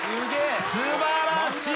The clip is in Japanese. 素晴らしい。